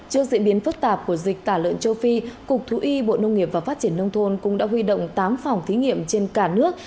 trước diễn biến phức tạp của dịch tả lợn châu phi cục thú y bộ nông nghiệp và phát triển nông thôn cũng đã huy động tám phòng thí nghiệm trên cả nước